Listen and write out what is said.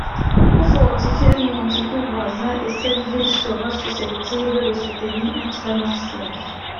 pour fortifier un monticule voisin, et cette ville sera susceptible de soutenir un très-long siège.